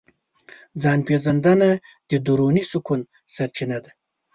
ځان پېژندنه د دروني سکون سرچینه ده.